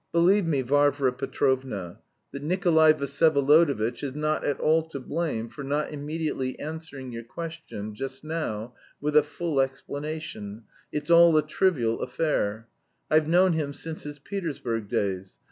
Believe me, Varvara Petrovna, that Nikolay Vsyevolodovitch is not at all to blame for not immediately answering your question just now with a full explanation, it's all a trivial affair. I've known him since his Petersburg days.